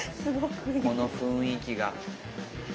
この雰囲気が。